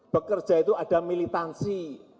bekerja itu ada militansi